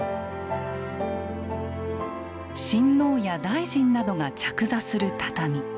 親王や大臣などが着座する畳。